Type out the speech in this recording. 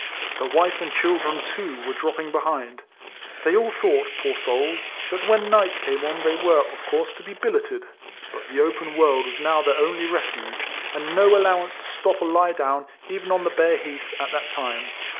The wife and children, too, were dropping behind. They all thought, poor souls ! that when night came on they were, of course, to be billeted ; but the open world was now their only refuge; and no allow ance to stop or lie down, even on the bare heath, at that time.